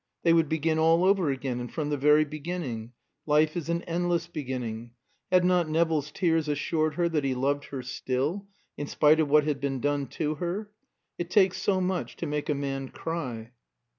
They would begin all over again and from the very beginning. Life is an endless beginning. Had not Nevill's tears assured her that he loved her still, in spite of what had been done to her? It takes so much to make a man cry.